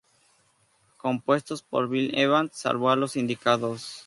Compuestos por Bill Evans salvo los indicados.